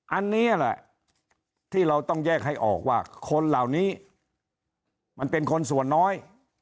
อันนี้แหละที่เราต้องแยกให้ออกว่าคนเหล่านี้มันเป็นคนส่วนน้อย